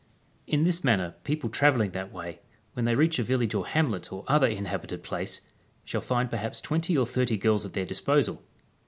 In this manner people travelling that way, when they reach a village or hamlet or other inhabited place, shall find perhaps 20 or 30 girls at their disposal.